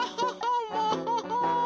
もう。